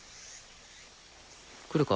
来るか？